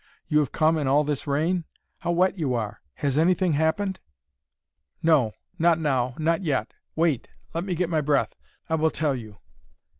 You have come in all this rain? How wet you are! Has anything happened?" "No; not now; not yet! Wait, let me get my breath I will tell you.